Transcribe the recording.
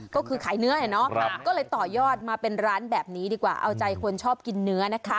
ก็คือขายเนื้อเนาะก็เลยต่อยอดมาเป็นร้านแบบนี้ดีกว่าเอาใจคนชอบกินเนื้อนะคะ